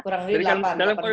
kurang lebih delapan